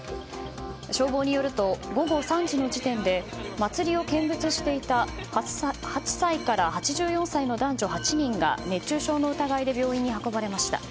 消防によると、午後３時の時点で祭りを見物していた８歳から８４歳の男女８人が熱中症の疑いで病院に運ばれました。